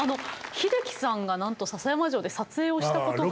英樹さんがなんと篠山城で撮影をしたことが。